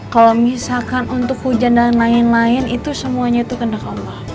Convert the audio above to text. kalau misalkan untuk hujan dan lain lain itu semuanya itu kena ke allah